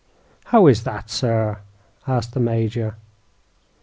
"How is that, sir?" asked the Major.